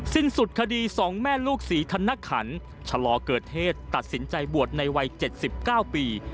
สิ้นสุดคดี๒แม่ลูกศรีธนขันชะลอเกิดเหตุตัดสินใจบวชในวัย๗๙ปี